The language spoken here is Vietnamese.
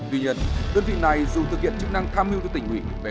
tuy nhiên đơn vị này dù thực hiện chức năng tham hưu cho tỉnh ủy về công tác cán bộ